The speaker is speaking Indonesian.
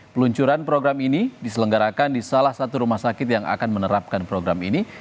peluncuran program ini diselenggarakan di salah satu rumah sakit yang akan menerapkan program ini